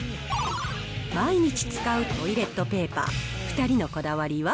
毎日使うトイレットペーパー、２人のこだわりは？